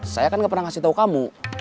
saya kan gak pernah ngasih tahu kamu